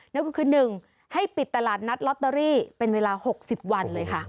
นั่นก็คือ๑ให้ปิดตลาดนัดลอตเตอรี่เป็นเวลา๖๐วันเลยค่ะ